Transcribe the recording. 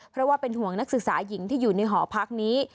เพราะว่าเป็นห่วงนักศึกษาหญิงที่อยู่ในหอพักนี้